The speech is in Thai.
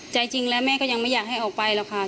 ใจจริงแล้วแม่ก็ยังไม่อยากให้ออกไปหรอกค่ะ